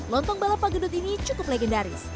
lontong bala pak gendut ini cukup legendaris